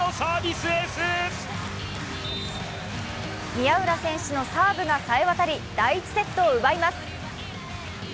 宮浦選手のサーブがさえ渡り、第１セットを奪います。